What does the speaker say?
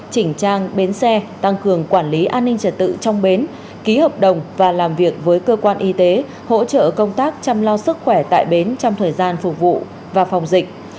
chỉnh trang bến xe tăng cường quản lý an ninh trật tự trong bến ký hợp đồng và làm việc với cơ quan y tế hỗ trợ công tác chăm lo sức khỏe tại bến trong thời gian phục vụ và phòng dịch